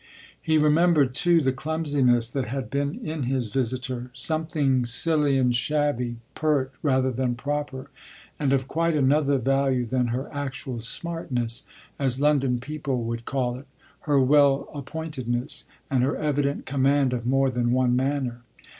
He remembered too the clumsiness that had been in his visitor something silly and shabby, pert rather than proper, and of quite another value than her actual smartness, as London people would call it, her well appointedness and her evident command of more than one manner.